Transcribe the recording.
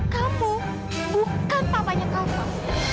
kamu bukan papanya kau pak